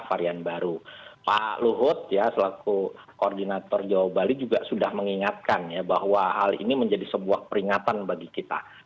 pak luhut selaku koordinator jawa bali juga sudah mengingatkan bahwa hal ini menjadi sebuah peringatan bagi kita